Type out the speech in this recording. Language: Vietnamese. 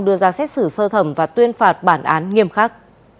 đưa ra xét xử sơ thẩm và tuyên phạt bản án nghiêm khắc